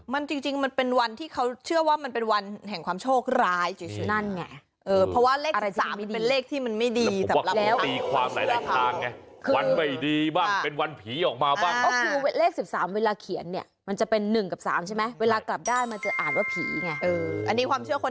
มันจริงมันเป็นวันที่เขาเชื่อว่ามันเป็นวัน